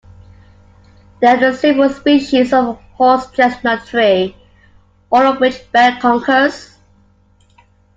There are several species of horse chestnut tree, all of which bear conkers